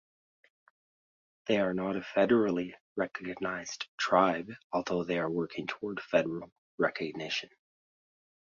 They are not a federally recognized tribe, although they are working toward federal recognition.